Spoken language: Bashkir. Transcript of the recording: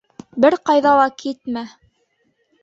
— Бер ҡайҙа ла китмә!